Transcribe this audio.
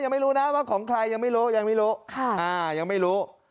ไม่รู้นะว่าของใครยังไม่รู้ยังไม่รู้ยังไม่รู้